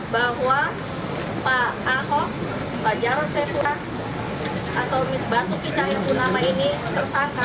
bahwa pak ahok pak jarosepura atau miss basuki cahaya pun nama ini tersangka